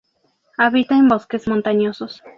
Habita en bosques montañosos.